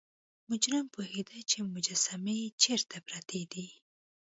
مجرم پوهیده چې مجسمې چیرته پرتې دي.